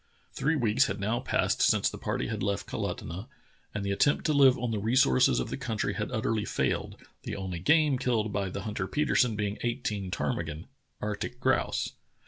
Three weeks had now passed since the party had left Kalutunah, and the attempt to live on the resources of the country had utterly failed, the only game killed by the hunter Petersen being eighteen ptarmigan (arctic grouse).